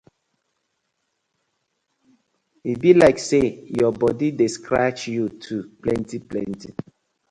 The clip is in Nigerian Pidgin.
E bi layk say yur bodi dey scratch yu too plenty plenty.